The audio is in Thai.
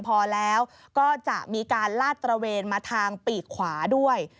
เป็นมาทางปีกขวาด้วย